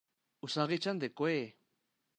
Usagi-chan de Cue!!